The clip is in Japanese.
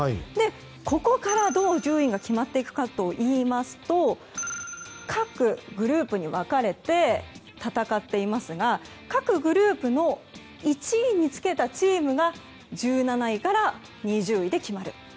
ここからどう順位が決まっていくかといいますと各グループに分かれて戦っていますが各グループの１位につけたチームが１７位から２０位で決まる。